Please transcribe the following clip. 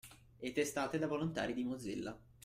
E testate da volontari di Mozilla.